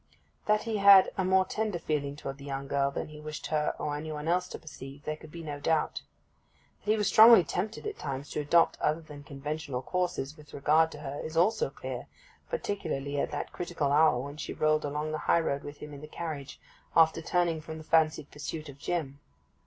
That he had a more tender feeling toward the young girl than he wished her or any one else to perceive there could be no doubt. That he was strongly tempted at times to adopt other than conventional courses with regard to her is also clear, particularly at that critical hour when she rolled along the high road with him in the carriage, after turning from the fancied pursuit of Jim.